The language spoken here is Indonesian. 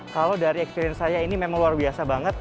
kalau dari experience saya ini memang luar biasa banget